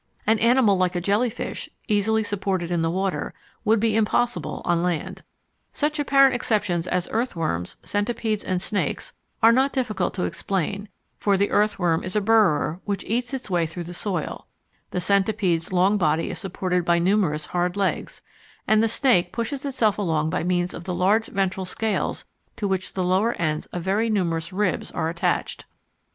An animal like a jellyfish, easily supported in the water, would be impossible on land. Such apparent exceptions as earthworms, centipedes, and snakes are not difficult to explain, for the earthworm is a burrower which eats its way through the soil, the centipede's long body is supported by numerous hard legs, and the snake pushes itself along by means of the large ventral scales to which the lower ends of very numerous ribs are attached.